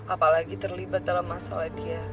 apalagi terlibat dalam masalah dia